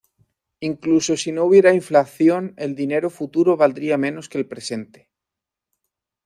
Incluso si no hubiera inflación, el dinero futuro valdría menos que el presente.